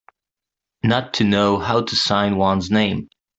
Not to know how to sign one's name.